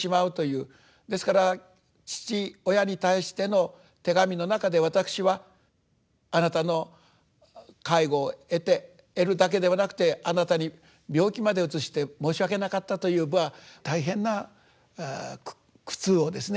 ですから父親に対しての手紙の中でわたくしはあなたの介護を得て得るだけではなくてあなたに病気までうつして申し訳なかったという大変な苦痛をですね